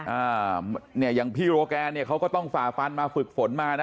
อ่าเนี่ยอย่างพี่โรแกนเนี่ยเขาก็ต้องฝ่าฟันมาฝึกฝนมานะ